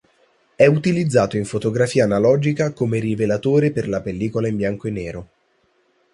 È utilizzato in fotografia analogica come rivelatore per la pellicola in bianco e nero.